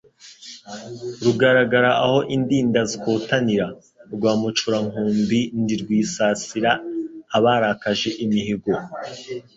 Rugaragara aho Indinda zikotanira, Rwamucurankumbi ndi rwisasira abarakaje imihigo